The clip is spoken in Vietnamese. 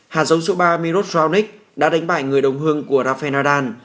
hạt giống số ba miros raunich đã đánh bại người đồng hương của rafael nadal